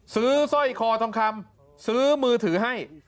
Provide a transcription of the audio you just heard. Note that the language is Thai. สร้อยคอทองคำซื้อมือถือให้